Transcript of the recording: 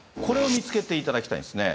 これを見つけていただきたい。